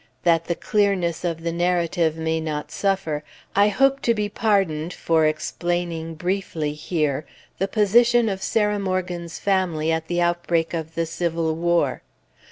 That the clearness of the narrative may not suffer, I hope to be pardoned for explaining briefly, here, the position of Sarah Morgan's family at the outbreak of the Civil War.